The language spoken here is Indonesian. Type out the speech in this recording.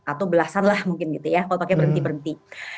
atau belasan lah mungkin gitu ya kalau pakai berhenti berhenti